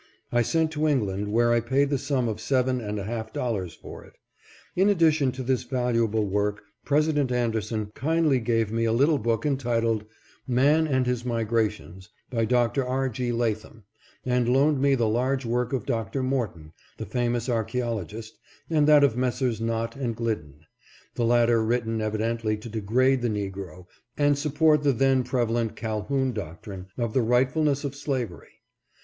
I sent to England, where I paid the sum of seven and a half dollars for it. In addition to this valuable work President Anderson kindly gave me a little book entitled " Man and His Migrations," by Dr. R. G. Latham, and loaned me the large work of Dr. Morton, the famous archaeologist, and that of Messrs. Nott and Glid den, the latter written evidently to degrade the Negro and support the then prevalent Calhoun doctrine of the right fulness of slavery.